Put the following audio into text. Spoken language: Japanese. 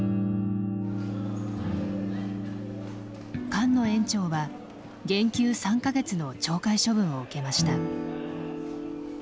菅野園長は減給３か月の懲戒処分を受けました。